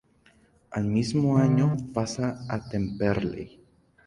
Al Mismo año pasa a Temperley.